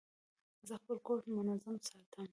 زه خپل کور منظم ساتم.